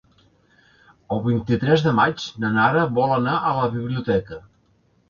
El vint-i-tres de maig na Nara vol anar a la biblioteca.